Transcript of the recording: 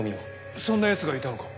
そんな奴がいたのか？